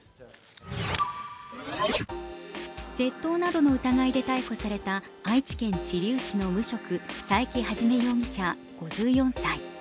窃盗などの疑いで逮捕された愛知県知立市の無職、佐伯一容疑者５４歳。